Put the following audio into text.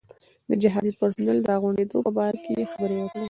د جهادي پرسونل د راغونډولو په باره کې یې خبرې وکړې.